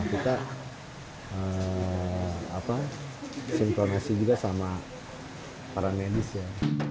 kita sinkronasi juga sama para medis ya